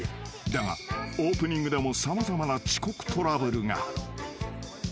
［だがオープニングでも様々な遅刻トラブルが］